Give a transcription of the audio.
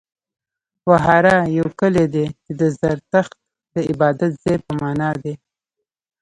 وهاره يو کلی دی، چې د زرتښت د عبادت ځای په معنا دی.